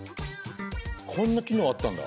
こんな機能あったんだ。